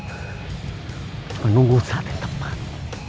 menunggu saat yang tepat